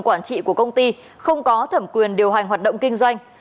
quản trị của công ty không có thẩm quyền điều hành hoạt động kinh doanh